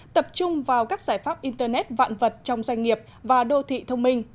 tập trung vào các giải pháp internet vạn vật trong doanh nghiệp và đô thị thông minh